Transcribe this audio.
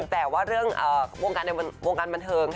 แต่ว่าเรื่องวงการบันเทิง